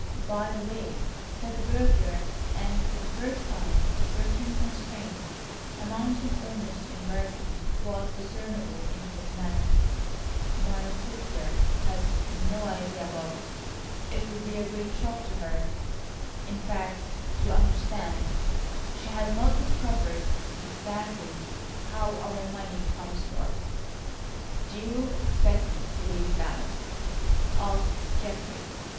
"By the way," said the burglar, and for the first time a certain constraint, amounting almost to embarrassment, was discernible in his manner, "my sister has no idea about—it would be a great shock to her—in fact, you understand, she has not discovered exactly how our money comes to us." "Do you expect me to believe that?" asked Geoffrey.